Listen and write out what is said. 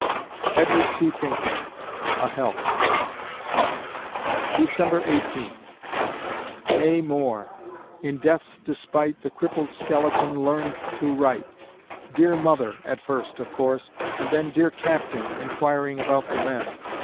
EDWARD C. PINKNEY ("A Health") December Eighteenth ... Nay, more! in death's despite The crippled skeleton "learned to write." "Dear mother," at first, of course; and then "Dear Captain," inquiring about the men.